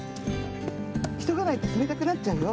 いそがないとつめたくなっちゃうよ。